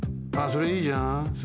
それいいじゃん。